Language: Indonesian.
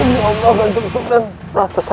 ya allah kanjaksunan